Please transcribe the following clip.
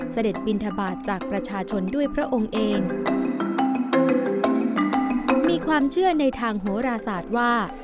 บินทบาทจากประชาชนด้วยพระองค์เองมีความเชื่อในทางโหราศาสตร์ว่า